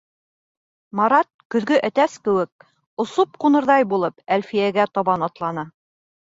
Марат, көҙгө әтәс кеүек, осоп ҡунырҙай булып, Әлфиәгә табан атланы.